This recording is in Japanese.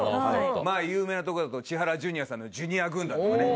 まあ有名なとこだと千原ジュニアさんのジュニア軍団とかね